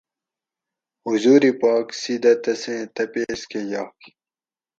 حضور پاک سِیدہ تسیں تپیس کٞہ یاگ